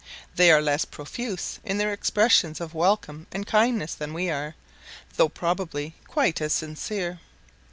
They are less profuse in their expressions of welcome and kindness than we are, though probably quite as sincere.